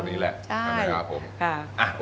ใช่ตอนนี้แหละขอบคุณครับผม